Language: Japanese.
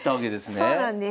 そうなんです。